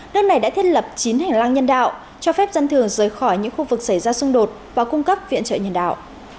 nước này đã thiết lập chín hành lang nhân đạo cho phép dân thường rời khỏi những khu vực xảy ra xung đột và cung cấp viện trợ nhân đạo